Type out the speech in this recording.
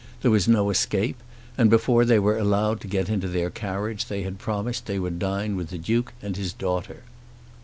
There was no escape, and before they were allowed to get into their carriage they had promised they would dine with the Duke and his daughter.